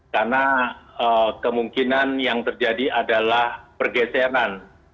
karena kemungkinan yang terjadi adalah pergeseran